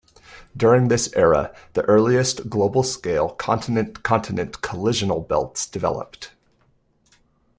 During this era the earliest global-scale continent-continent collisional belts developed.